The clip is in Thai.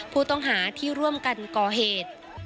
ผู้ต้องหาที่ร่วมกันก่อเหตุ